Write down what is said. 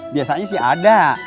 biasanya sih ada